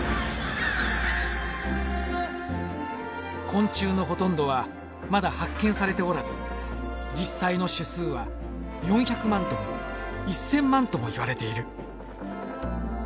昆虫のほとんどはまだ発見されておらず実際の種数は４００万とも１，０００万ともいわれている。